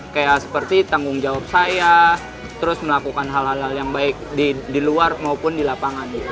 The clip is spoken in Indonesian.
kayak seperti tanggung jawab saya terus melakukan hal hal yang baik di luar maupun di lapangan gitu